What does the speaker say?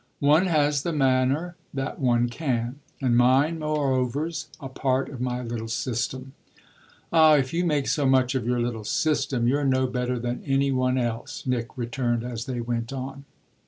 "One has the manner that one can, and mine moreover's a part of my little system." "Ah if you make so much of your little system you're no better than any one else," Nick returned as they went on.